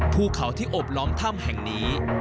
ภูเขาที่อบล้อมถ้ำแห่งนี้